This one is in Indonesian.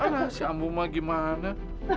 alah si amu mak gimana